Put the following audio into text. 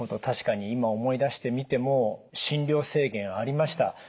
確かに今思い出してみても診療制限ありました。